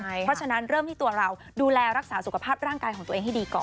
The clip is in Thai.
เพราะฉะนั้นเริ่มที่ตัวเราดูแลรักษาสุขภาพร่างกายของตัวเองให้ดีก่อน